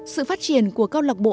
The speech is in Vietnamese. sự phát triển của câu lạc bộ